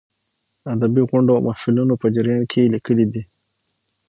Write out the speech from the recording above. ادبي غونډو او محفلونو په جریان کې یې لیکلې دي.